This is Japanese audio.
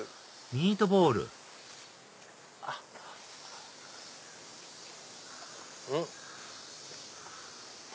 ミートボールうん？